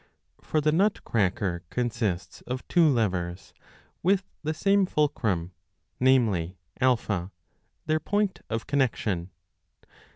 For the nut cracker consists of two levers, with the same fulcrum, namely, A, their point of connexion.